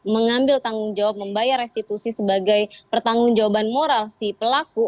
mengambil tanggung jawab membayar restitusi sebagai pertanggung jawaban moral si pelaku